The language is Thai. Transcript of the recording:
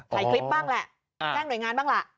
ถ่ายคลิปบ้างแหละแจ้งหน่วยงานบ้างล่ะ